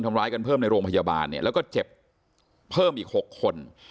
ทำร้ายกันเพิ่มในโรงพยาบาลเนี่ยแล้วก็เจ็บเพิ่มอีก๖คน